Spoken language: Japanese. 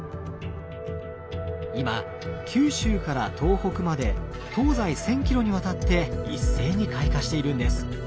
今九州から東北まで東西１，０００ｋｍにわたって一斉に開花しているんです。